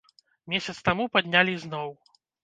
Месяц таму паднялі зноў!